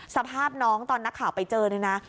สภาพน้องตอนนักข่าวไปเจอเนี่ยนะ